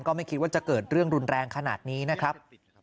ไม่คิดว่าจะเกิดเรื่องรุนแรงขนาดนี้นะครับ